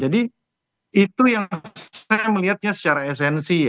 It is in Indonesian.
jadi itu yang saya melihatnya secara esensi ya